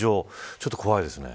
ちょっと怖いですね。